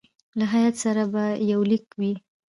له هیات سره به یو لیک وي.